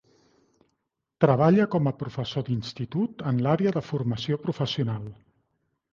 Treballa com a professor d'Institut en l'àrea de formació professional.